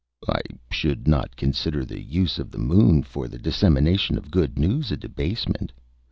"I should not consider the use of the moon for the dissemination of good news a debasement.